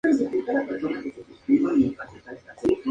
Las calles que rodean a la plaza tuvieron antaño un nombre diferente.